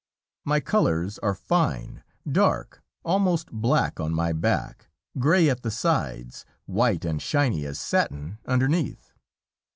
My colors are fine, dark, almost black on my back, gray at the sides, white and shiny as satin underneath.